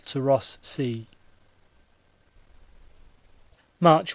to Ross Sea. March 1.